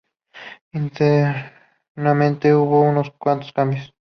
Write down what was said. Internamente hubo unos cuantos cambios.